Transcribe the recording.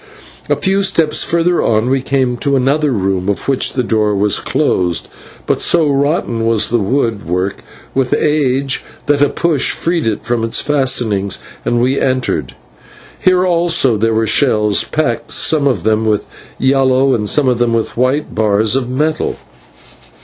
A few steps further on we came to another room of which the door was closed, but so rotten was the woodwork with age that a push freed it from its fastenings, and we entered. Here also there were shelves, packed some of them with yellow and some with white bars of metal.